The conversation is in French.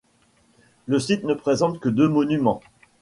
Le site ne présente que deux monuments.